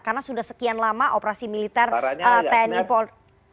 karena sudah sekian lama operasi militer tni pol